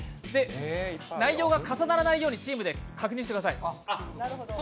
内容が重ならないようにチームで確認してください。